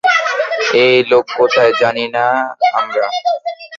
এই লোক কোথায়, জানি না আমরা।